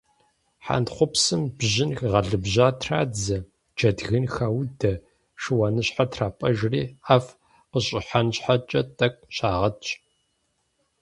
Хьэнтхъупсым бжьын гъэлыбжьа традзэ, джэдгын хаудэ, шыуаныщхьэр трапӀэжри ӀэфӀ къыщӀыхьэн щхьэкӀэ тӏэкӏу щагъэтщ.